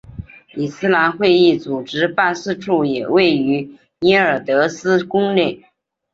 伊斯兰会议组织办事处也位于耶尔德兹宫内。